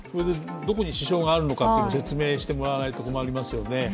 どこに支障があるのか説明してもらわないと困りますよね。